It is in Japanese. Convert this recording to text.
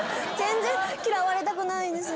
嫌われたくないんです。